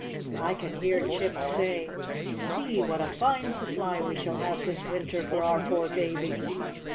I can hear Chip say, ^See what a fine supply we shall have this winter for our four babies.